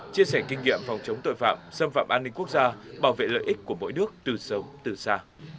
chia sẻ kinh nghiệm phòng chống tội phạm xâm phạm an ninh quốc gia bảo vệ lợi ích của mỗi nước từ sâu từ xa